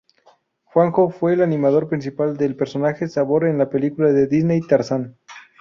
Juanjo fue el animador principal del personaje Sabor en la película de Disney "Tarzan".